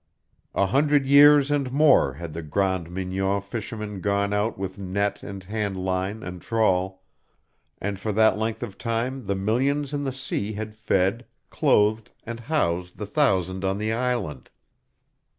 A hundred years and more had the Grande Mignon fishermen gone out with net and handline and trawl; and for that length of time the millions in the sea had fed, clothed, and housed the thousand on the island.